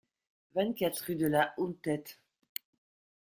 vingt-quatre rue de la Hountéte